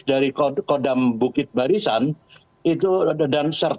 dari kodok kodam bukit barisan itu dan serta merta juga mengatakan bahwa ini adalah hal yang lebih